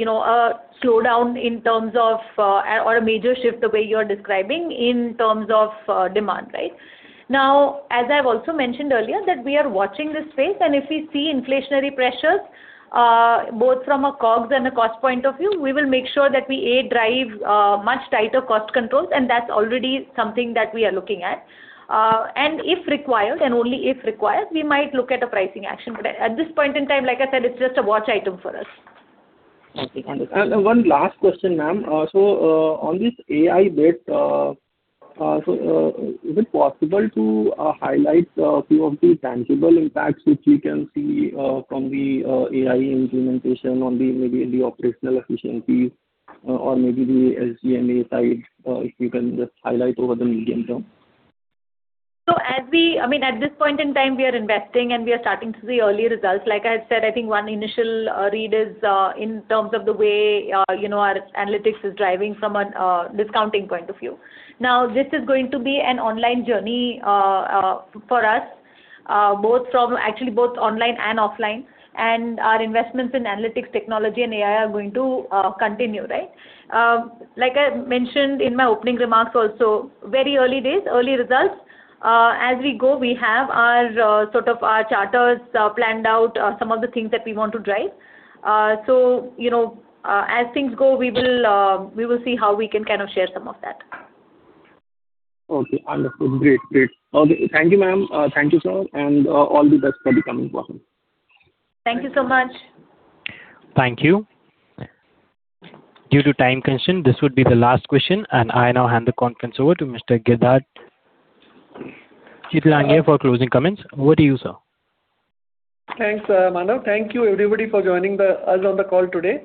slowdown or a major shift the way you're describing in terms of demand. As I've also mentioned earlier that we are watching this space, and if we see inflationary pressures both from a COGS and a cost point of view, we will make sure that we, A, drive much tighter cost controls, and that's already something that we are looking at. If required, and only if required, we might look at a pricing action. At this point in time, like I said, it's just a watch item for us. Okay. Understood. One last question, ma'am. On this AI bit, is it possible to highlight a few of the tangible impacts which we can see from the AI implementation on maybe the operational efficiencies or maybe the SG&A side if you can just highlight over the medium term? At this point in time, we are investing, and we are starting to see early results. Like I said, I think one initial read is in terms of the way our analytics is driving from a discounting point of view. This is going to be an online journey for us, actually both online and offline. Our investments in analytics technology and AI are going to continue. Like I mentioned in my opening remarks also, very early days, early results. As we go, we have our charters planned out some of the things that we want to drive. As things go, we will see how we can kind of share some of that. Okay. Understood. Great. Okay. Thank you, ma'am. Thank you, sir, and all the best for the coming quarter. Thank you so much. Thank you. Due to time constraint, this would be the last question, and I now hand the conference over to Mr. Girdhar Chitlangia for closing comments. Over to you, sir. Thanks, Manav. Thank you everybody for joining us on the call today.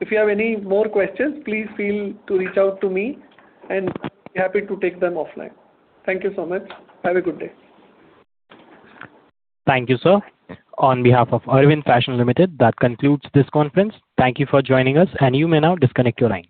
If you have any more questions, please feel to reach out to me, and I'll be happy to take them offline. Thank you so much. Have a good day. Thank you, sir. On behalf of Arvind Fashions Limited, that concludes this conference. Thank you for joining us, and you may now disconnect your lines.